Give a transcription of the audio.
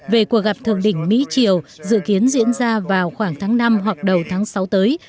về cuộc gặp thượng đỉnh mỹ triều dự kiến diễn ra vào khoảng tháng năm hoặc đầu tháng sáu tới